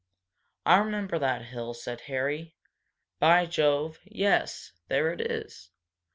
"I remember that hill," said Harry. "By Jove yes, there it is!